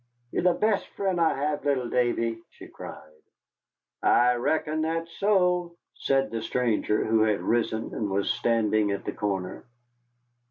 "You're the best friend I have, little Davy," she cried. "I reckon that's so," said the stranger, who had risen and was standing at the corner.